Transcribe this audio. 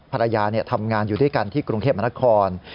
ภรรยาทำงานอยู่ด้วยกันที่กรุงเทพมนคร